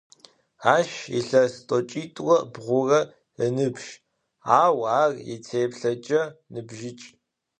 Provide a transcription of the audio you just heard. Aş yilhes t'oç'it'ure bğure ınıbj, au ar yitêplheç'e nıbjıç'.